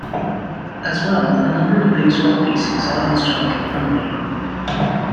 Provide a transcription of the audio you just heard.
As well, a number of blues rock pieces are instrumental-only.